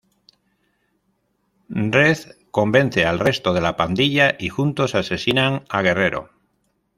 Red convence al resto de la pandilla y juntos asesinan a Guerrero.